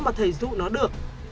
mà thầy rụ nó được